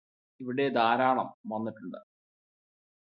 ഇവിടെ ധാരാളം വന്നിട്ടുണ്ട്